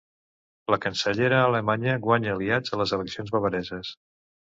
La cancellera alemanya guanya aliats a les eleccions bavareses